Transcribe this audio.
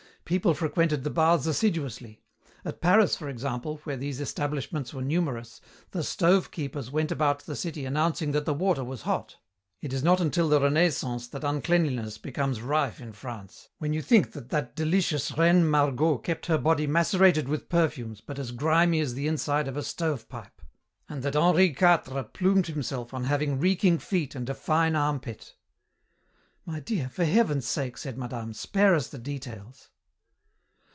People frequented the baths assiduously. At Paris, for example, where these establishments were numerous, the 'stove keepers' went about the city announcing that the water was hot. It is not until the Renaissance that uncleanliness becomes rife in France. When you think that that delicious Reine Margot kept her body macerated with perfumes but as grimy as the inside of a stovepipe! and that Henri Quatre plumed himself on having 'reeking feet and a fine armpit.'" "My dear, for heaven's sake," said madame, "spare us the details."